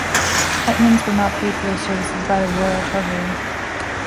Hetmans were not paid for their services by the Royal Treasury.